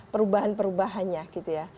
perubahan perubahannya gitu ya